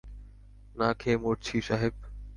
না খেয়ে মরছি, সাহেব।